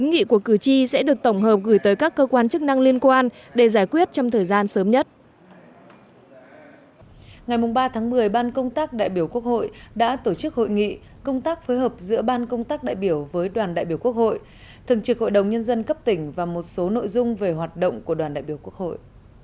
ngày ba tháng một mươi ban công tác đại biểu quốc hội đã tổ chức hội nghị công tác phối hợp giữa ban công tác đại biểu với đoàn đại biểu quốc hội thường trực hội đồng nhân dân cấp tỉnh và một số nội dung về hoạt động của đoàn đại biểu quốc hội